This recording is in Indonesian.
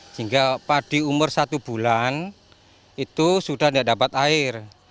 sehingga padi umur satu bulan itu sudah tidak dapat air